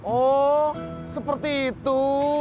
oh seperti itu